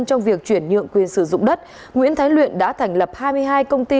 trong việc chuyển nhượng quyền sử dụng đất nguyễn thái luyện đã thành lập hai mươi hai công ty